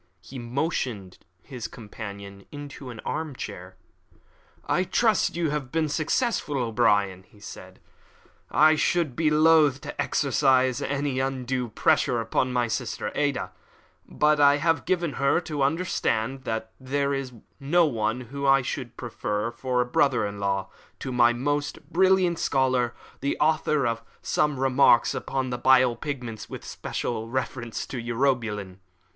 He motioned his companion into an arm chair. "I trust that you have been successful, O'Brien," said he. "I should be loath to exercise any undue pressure upon my sister Ada; but I have given her to understand that there is no one whom I should prefer for a brother in law to my most brilliant scholar, the author of Some Remarks upon the Bile Pigments, with special reference to Urobilin."